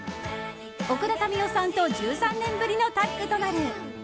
奥田民生さんと１３年ぶりのタッグとなる。